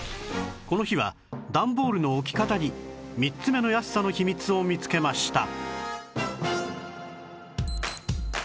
この日は段ボールの置き方に３つ目の安さの秘密を見つけました